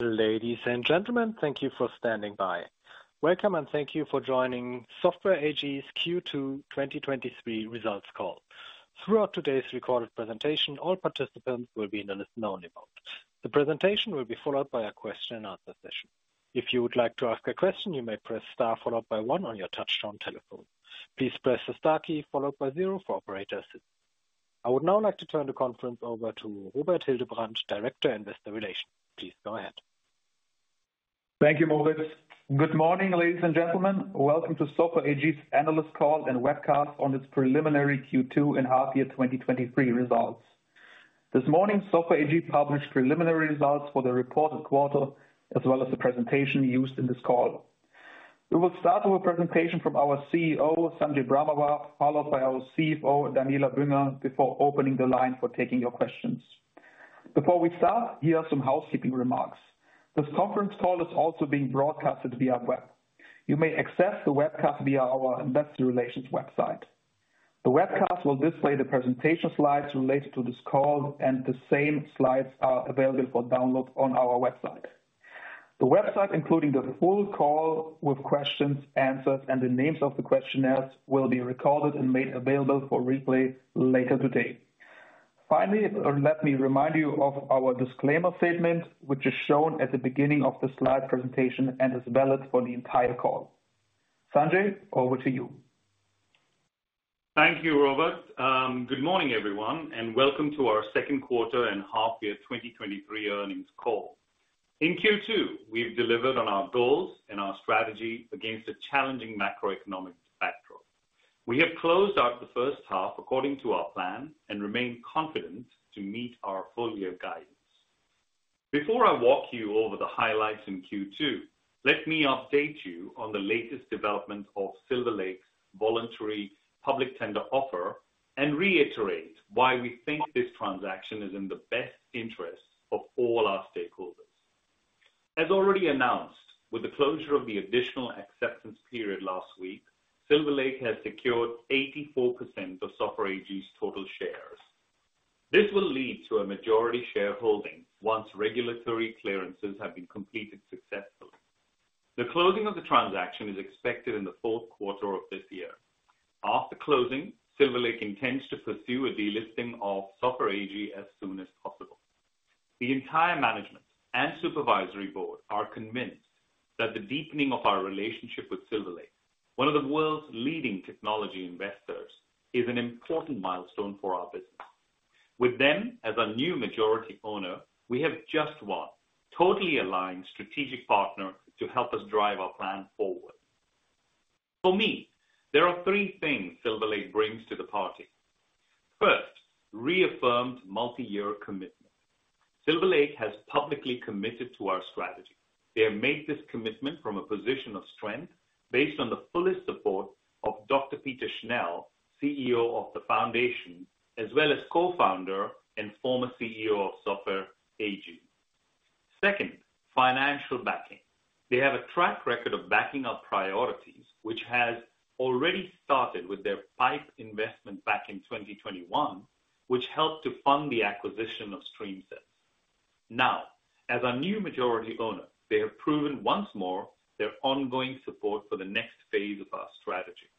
Ladies and gentlemen, thank you for standing by. Welcome, and thank you for joining Software AG's Q2 2023 results call. Throughout today's recorded presentation, all participants will be in a listen-only mode. The presentation will be followed by a question and answer session. If you would like to ask a question, you may press star followed by one on your touchtone telephone. Please press the star key followed by zero for operator assistance. I would now like to turn the conference over to Robert Hildebrandt, Director, Investor Relations. Please go ahead. Thank you, Moritz. Good morning, ladies and gentlemen. Welcome to Software AG's analyst call and webcast on its preliminary Q2 and half year 2023 results. This morning, Software AG published preliminary results for the reported quarter, as well as the presentation used in this call. We will start with a presentation from our CEO, Sanjay Brahmawar, followed by our CFO, Daniela Bünger, before opening the line for taking your questions. Before we start, here are some housekeeping remarks. This conference call is also being broadcasted via web. You may access the webcast via our investor relations website. The webcast will display the presentation slides related to this call, and the same slides are available for download on our website. The website, including the full call with questions, answers, and the names of the questioners, will be recorded and made available for replay later today. Finally, let me remind you of our disclaimer statement, which is shown at the beginning of the slide presentation and is valid for the entire call. Sanjay, over to you. Thank you, Robert. Good morning, everyone, and welcome to our second quarter and half year 2023 earnings call. In Q2, we've delivered on our goals and our strategy against a challenging macroeconomic backdrop. We have closed out the first half according to our plan and remain confident to meet our full year guidance. Before I walk you over the highlights in Q2, let me update you on the latest development of Silver Lake's voluntary public tender offer, and reiterate why we think this transaction is in the best interest of all our stakeholders. As already announced, with the closure of the additional acceptance period last week, Silver Lake has secured 84% of Software AG's total shares. This will lead to a majority shareholding once regulatory clearances have been completed successfully. The closing of the transaction is expected in the fourth quarter of this year. After closing, Silver Lake intends to pursue a delisting of Software AG as soon as possible. The entire management and supervisory board are convinced that the deepening of our relationship with Silver Lake, one of the world's leading technology investors, is an important milestone for our business. With them as a new majority owner, we have just one totally aligned strategic partner to help us drive our plan forward. For me, there are three things Silver Lake brings to the party. First, reaffirmed multi-year commitment. Silver Lake has publicly committed to our strategy. They have made this commitment from a position of strength based on the fullest support of Dr. Peter Schnell, CEO of the Foundation, as well as co-founder and former CEO of Software AG. Second, financial backing. They have a track record of backing our priorities, which has already started with their PIPE investment back in 2021, which helped to fund the acquisition of StreamSets. As our new majority owner, they have proven once more their ongoing support for the next phase of our strategy.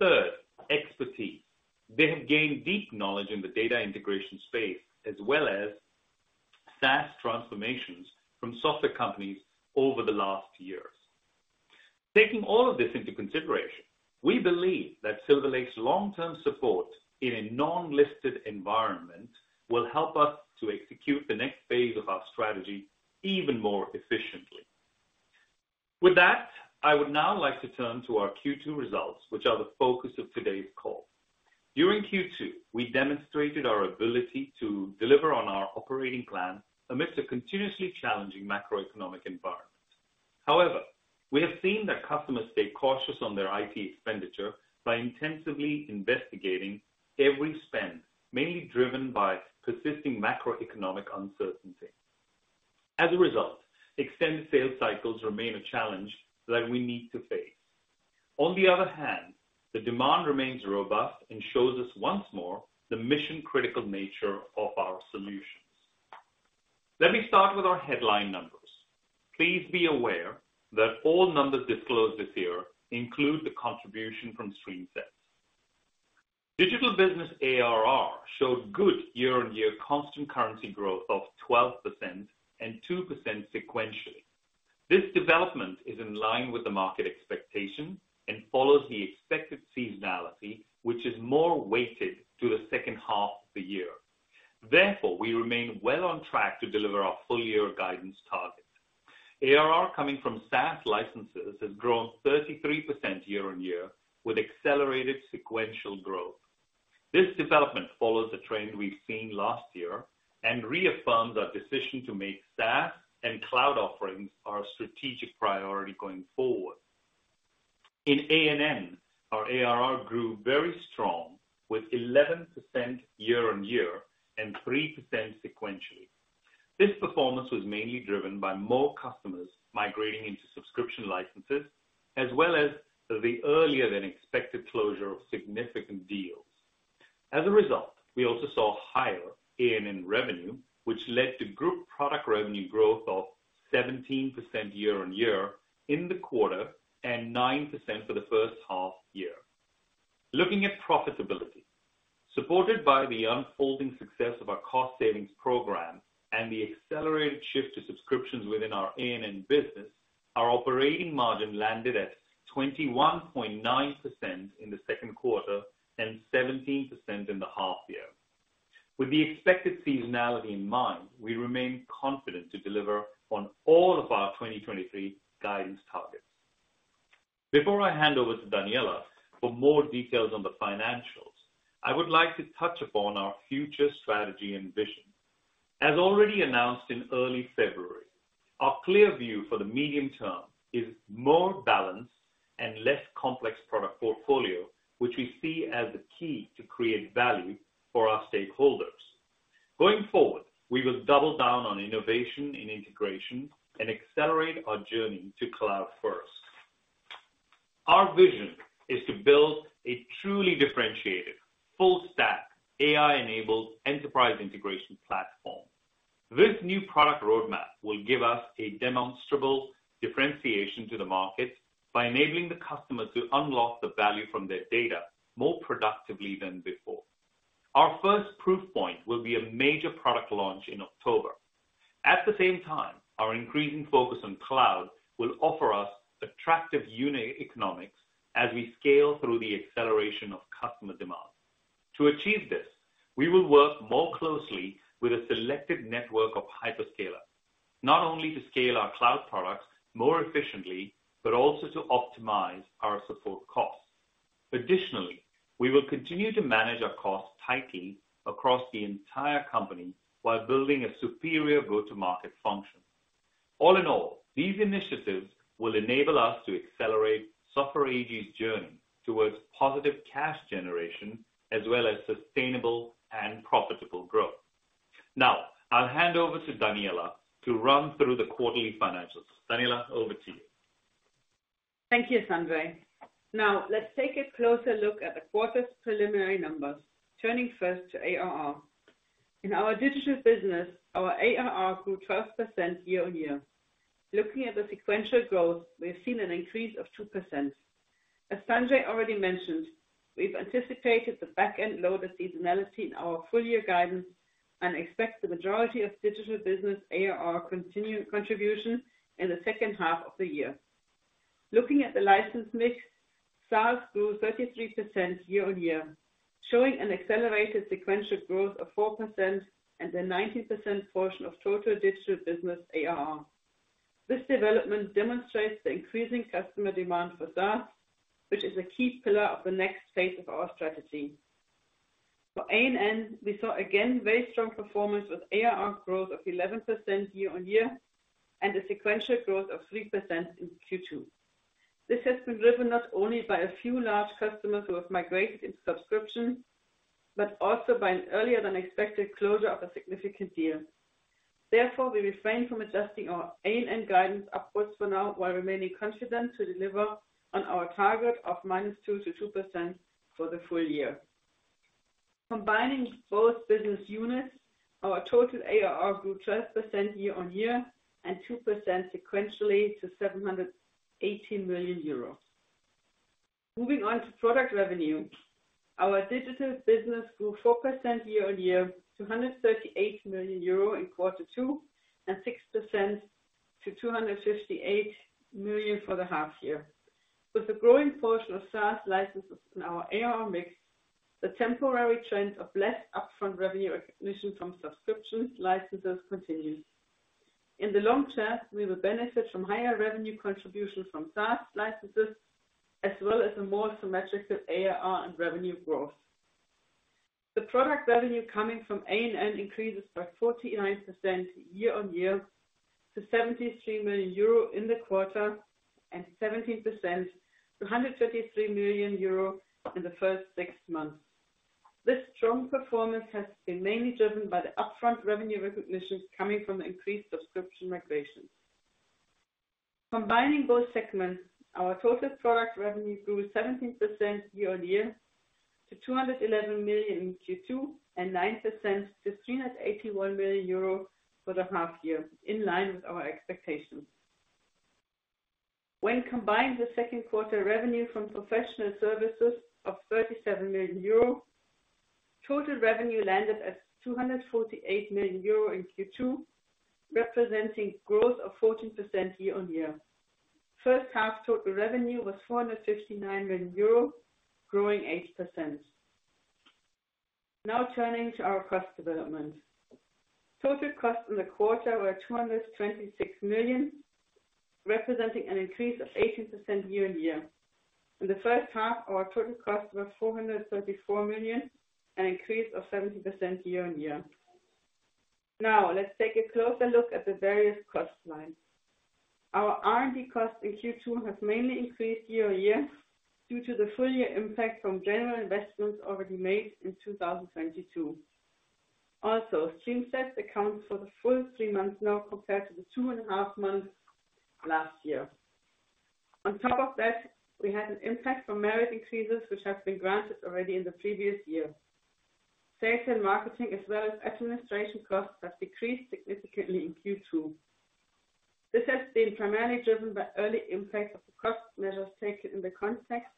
Third, expertise. They have gained deep knowledge in the data integration space, as well as SaaS transformations from software companies over the last years. Taking all of this into consideration, we believe that Silver Lake's long-term support in a non-listed environment will help us to execute the next phase of our strategy even more efficiently. With that, I would now like to turn to our Q2 results, which are the focus of today's call. During Q2, we demonstrated our ability to deliver on our operating plan amidst a continuously challenging macroeconomic environment. We have seen that customers stay cautious on their IT expenditure by intensively investigating every spend, mainly driven by persisting macroeconomic uncertainty. As a result, extended sales cycles remain a challenge that we need to face. On the other hand, the demand remains robust and shows us once more the mission-critical nature of our solutions. Let me start with our headline numbers. Please be aware that all numbers disclosed this year include the contribution from StreamSets. Digital business ARR showed good year-on-year constant currency growth of 12% and 2% sequentially. This development is in line with the market expectation and follows the expected seasonality, which is more weighted to the second half of the year. Therefore, we remain well on track to deliver our full year guidance target. ARR coming from SaaS licenses has grown 33% year-on-year, with accelerated sequential growth. This development follows the trend we've seen last year and reaffirms our decision to make SaaS and cloud offerings our strategic priority going forward. In A&N, our ARR grew very strong, with 11% year-on-year and 3% sequentially. This performance was mainly driven by more customers migrating into subscription licenses, as well as the earlier-than-expected closure of significant deals. We also saw higher A&N revenue, which led to group product revenue growth of 17% year-on-year in the quarter, and 9% for the first half year. Looking at profitability, supported by the unfolding success of our cost savings program and the accelerated shift to subscriptions within our A&N business, our operating margin landed at 21.9% in the second quarter and 17% in the half year. With the expected seasonality in mind, we remain confident to deliver on all of our 2023 guidance targets. Before I hand over to Daniela for more details on the financials, I would like to touch upon our future strategy and vision. Already announced in early February, our clear view for the medium term is more balanced and less complex product portfolio, which we see as the key to create value for our stakeholders. Going forward, we will double down on innovation and integration and accelerate our journey to cloud first. Our vision is to build a truly differentiated, full stack, AI-enabled enterprise integration platform. This new product roadmap will give us a demonstrable differentiation to the market by enabling the customers to unlock the value from their data more productively than before. Our first proof point will be a major product launch in October. At the same time, our increasing focus on cloud will offer us attractive unit economics as we scale through the acceleration of customer demand. To achieve this, we will work more closely with a selected network of hyperscalers, not only to scale our cloud products more efficiently, but also to optimize our support costs. Additionally, we will continue to manage our costs tightly across the entire company while building a superior go-to-market function. All in all, these initiatives will enable us to accelerate Software AG's journey towards positive cash generation, as well as sustainable and profitable growth. Now, I'll hand over to Daniela to run through the quarterly financials. Daniela, over to you. Thank you, Sanjay. Let's take a closer look at the quarter's preliminary numbers, turning first to ARR. In our digital business, our ARR grew 12% year-on-year. Looking at the sequential growth, we have seen an increase of 2%. As Sanjay already mentioned, we've anticipated the back-end load of seasonality in our full year guidance and expect the majority of digital business ARR continuing contribution in the second half of the year. Looking at the license mix, SaaS grew 33% year-on-year, showing an accelerated sequential growth of 4% and a 90% portion of total digital business ARR. This development demonstrates the increasing customer demand for SaaS, which is a key pillar of the next phase of our strategy. For A&N, we saw again very strong performance with ARR growth of 11% year-on-year and a sequential growth of 3% in Q2. This has been driven not only by a few large customers who have migrated into subscriptions, but also by an earlier than expected closure of a significant deal. We refrain from adjusting our A&N guidance upwards for now, while remaining confident to deliver on our target of -2% to 2% for the full year. Combining both business units, our total ARR grew 12% year-on-year and 2% sequentially to 718 million euros. Moving on to product revenue, our digital business grew 4% year-on-year to 138 million euro in Q2, and 6% to 258 million for the half year. With a growing portion of SaaS licenses in our ARR mix, the temporary trend of less upfront revenue recognition from subscriptions licenses continues. In the long term, we will benefit from higher revenue contributions from SaaS licenses, as well as a more symmetric ARR and revenue growth. The product revenue coming from A&N increases by 49% year-on-year to 73 million euro in the quarter, and 17% to 133 million euro in the first six months. This strong performance has been mainly driven by the upfront revenue recognition coming from the increased subscription migration. Combining both segments, our total product revenue grew 17% year-on-year to 211 million in Q2, and 9% to 381 million euro for the half year, in line with our expectations. When combined, the second quarter revenue from professional services of 37 million euro, total revenue landed at 248 million euro in Q2, representing growth of 14% year-over-year. First half total revenue was 459 million euro, growing 8%. Turning to our cost development. Total costs in the quarter were 226 million, representing an increase of 18% year-over-year. In the first half, our total costs were 434 million, an increase of 17% year-over-year. Let's take a closer look at the various cost lines. Our R&D costs in Q2 have mainly increased year-over-year due to the full year impact from general investments already made in 2022. StreamSets accounts for the full three months now, compared to the 2.5 months last year. On top of that, we had an impact from merit increases, which have been granted already in the previous year. Sales and marketing, as well as administration costs, have decreased significantly in Q2. This has been primarily driven by early impacts of the cost measures taken in the context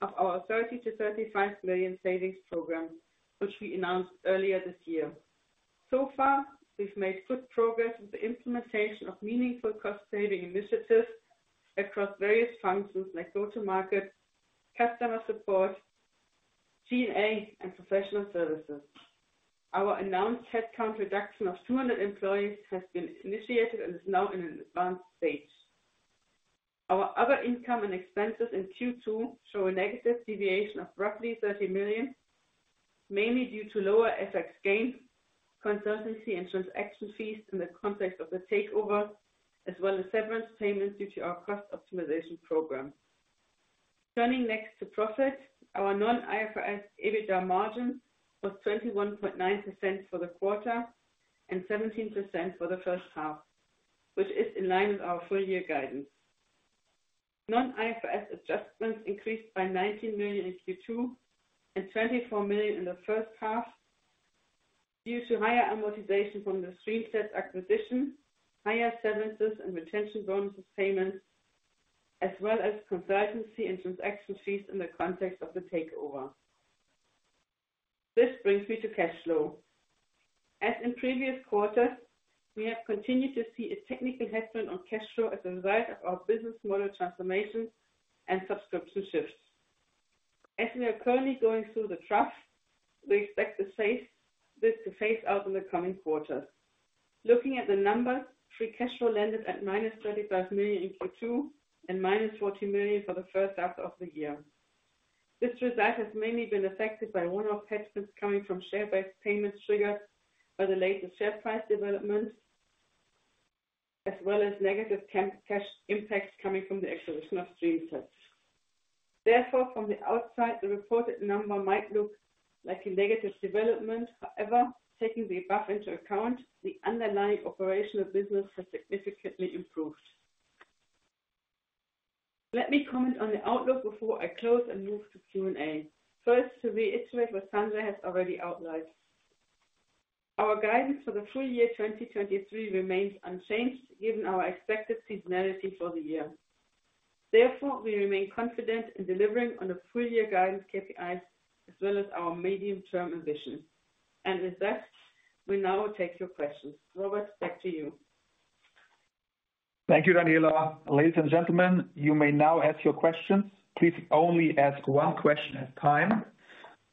of our 30 million-35 million savings program, which we announced earlier this year. Far, we've made good progress with the implementation of meaningful cost-saving initiatives across various functions like go-to-market, customer support, G&A, and professional services. Our announced headcount reduction of 200 employees has been initiated and is now in an advanced stage. Our other income and expenses in Q2 show a negative deviation of roughly 30 million, mainly due to lower FX gains, consultancy and transaction fees in the context of the takeover, as well as severance payments due to our cost optimization program. Turning next to profit, our non-IFRS EBITDA margin was 21.9% for the quarter and 17% for the first half, which is in line with our full year guidance. Non-IFRS adjustments increased by 19 million in Q2 and 24 million in the first half, due to higher amortization from the StreamSets acquisition, higher severances and retention bonuses payments, as well as consultancy and transaction fees in the context of the takeover. This brings me to cash flow. As in previous quarters, we have continued to see a technical headwind on cash flow as a result of our business model transformation and subscription shifts. As we are currently going through the trust, we expect this to phase out in the coming quarters. Looking at the numbers, free cash flow landed at minus 35 million in Q2 and minus 14 million for the first half of the year. This result has mainly been affected by one-off headwinds coming from share-based payments triggered by the latest share price development, as well as negative cash impacts coming from the acquisition of StreamSets. From the outside, the reported number might look like a negative development. Taking the above into account, the underlying operational business has significantly improved. Let me comment on the outlook before I close and move to Q&A. To reiterate what Sanjay has already outlined. Our guidance for the full year 2023 remains unchanged, given our expected seasonality for the year. Therefore, we remain confident in delivering on the full-year guidance KPIs, as well as our medium-term ambition. With that, we now take your questions. Robert, back to you. Thank you, Daniela Bünger. Ladies and gentlemen, you may now ask your questions. Please only ask one question at a time.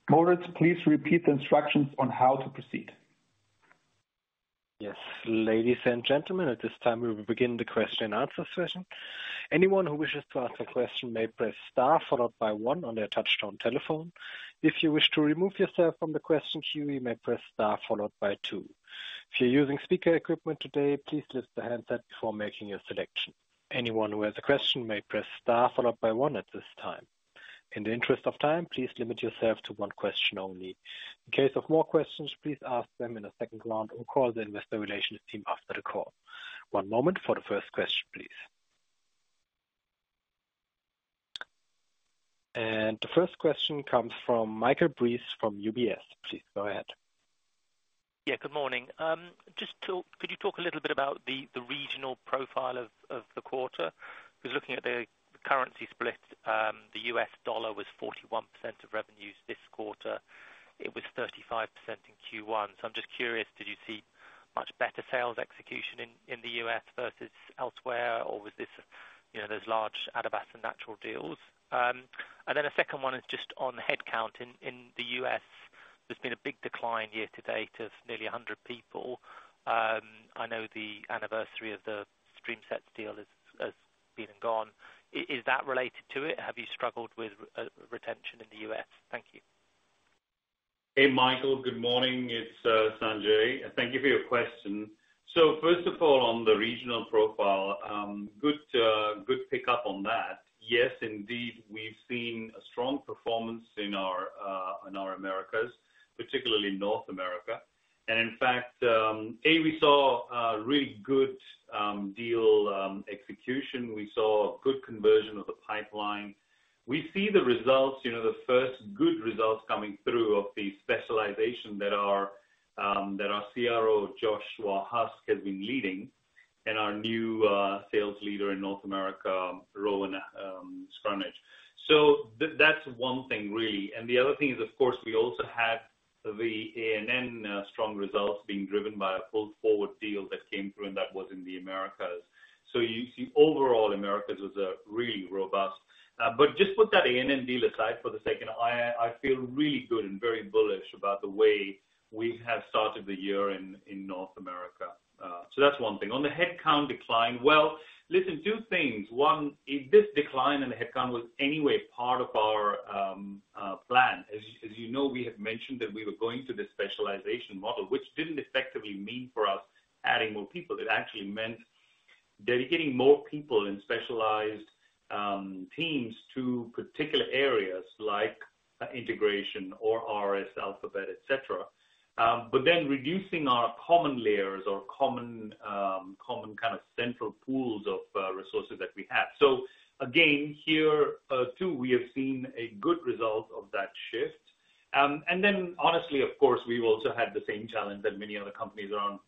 Moritz, please repeat the instructions on how to proceed. Ladies and gentlemen, at this time, we will begin the question and answer session. Anyone who wishes to ask a question may press star followed by one on their touchtone telephone. If you wish to remove yourself from the question queue, you may press star followed by two. If you're using speaker equipment today, please lift the handset before making your selection. Anyone who has a question may press star followed by one at this time. In the interest of time, please limit yourself to one question only. In case of more questions, please ask them in a second round or call the Investor Relations team after the call. One moment for the first question, please. The first question comes from Michael Briest from UBS. Please, go ahead. Good morning. Could you talk a little bit about the regional profile of the quarter? Looking at the currency split, the US dollar was 41% of revenues this quarter. It was 35% in Q1. I'm just curious, did you see much better sales execution in the US versus elsewhere, or was this, you know, those large Adabas and Natural deals? A second one is just on headcount. In the US, there's been a big decline year-to-date of nearly 100 people. I know the anniversary of the StreamSets deal has been and gone. Is that related to it? Have you struggled with retention in the US? Thank you. Hey, Michael. Good morning, it's Sanjay. Thank you for your question. First of all, on the regional profile, good pick up on that. Yes, indeed, we've seen a strong performance in our Americas, particularly North America. In fact, A, we saw a really good deal execution. We saw a good conversion of the pipeline. We see the results, you know, the first good results coming through of the specialization that our CRO, Joshua Husk, has been leading, and our new sales leader in North America, Rowan Scranage. That's one thing, really. The other thing is, of course, we also had the A&N strong results being driven by a pulled-forward deal that came through, and that was in the Americas. You see, overall, Americas was really robust. Just put that A&N deal aside for the second. I feel really good and very bullish about the way we have started the year in North America. That's one thing. On the headcount decline, well, listen, two things. One, this decline in the headcount was anyway part of our plan. As you, as you know, we have mentioned that we were going to this specialization model, which didn't effectively mean for us adding more people. It actually meant dedicating more people in specialized teams to particular areas, like integration or RS, Analytics, et cetera. Then reducing our common layers or common kind of central pools of resources that we had. Again, here, too, we have seen a good result of that shift. Honestly, of course, we've also had the same challenge that many other companies are on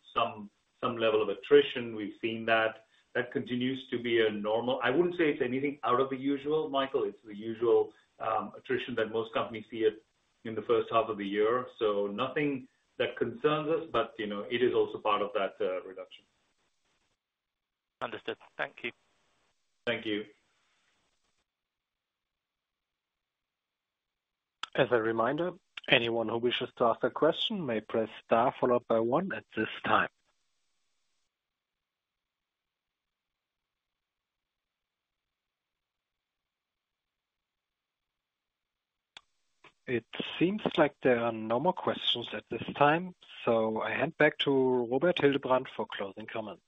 some level of attrition. We've seen that. That continues to be normal. I wouldn't say it's anything out of the usual, Michael. It's the usual attrition that most companies see it in the first half of the year. Nothing that concerns us, you know, it is also part of that reduction. Understood. Thank you. Thank you. As a reminder, anyone who wishes to ask a question may press star followed by one at this time. It seems like there are no more questions at this time. I hand back to Robert Hildebrandt for closing comments.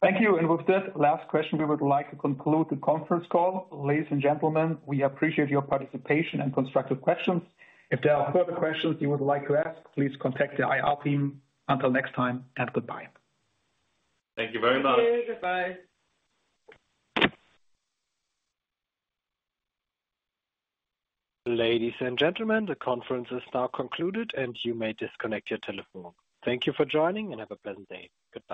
Thank you. With this last question, we would like to conclude the conference call. Ladies and gentlemen, we appreciate your participation and constructive questions. If there are further questions you would like to ask, please contact the IR team. Until next time, goodbye. Thank you very much. Thank you. Goodbye. Ladies and gentlemen, the conference is now concluded, and you may disconnect your telephone. Thank you for joining, and have a pleasant day. Goodbye.